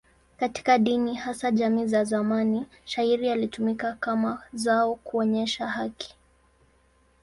Katika dini, hasa jamii za zamani, shayiri ilitumika kama zao kuonyesha haki.